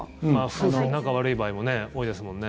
夫婦で仲悪い場合も多いですもんね。